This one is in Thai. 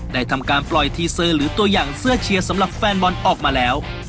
ทำการปล่อยทีเซอร์หรือตัวอย่างเสื้อเชียร์สำหรับแฟนบอลออกมาแล้ว